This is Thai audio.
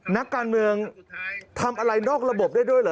นักการเมืองทำอะไรนอกระบบได้ด้วยเหรอ